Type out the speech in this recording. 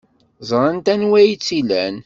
Ẓrant anwa ay tt-ilan.